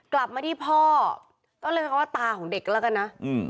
กลับมาที่พ่อต้องเรียกว่าตาของเด็กแล้วกันนะ